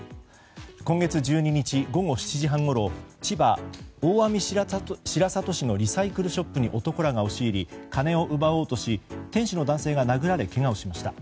今月１２日午後７時半ごろ千葉・大網白里市のリサイクルショップに男らが押し入り金を奪おうとして店主の男性が殴られ、けがをしました。